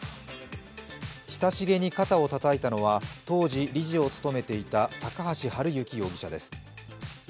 親しげに肩をたたいたのは、当時理事を務めていた高橋治之容疑者です。